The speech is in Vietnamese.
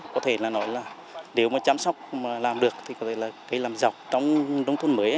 có thể là nói là nếu mà chăm sóc mà làm được thì có thể là cây làm dọc trong nông thôn mới